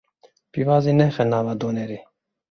Pîvazê nexe nava donerê.